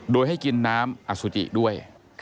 โดยให้กินน้ำอสุจิด้วย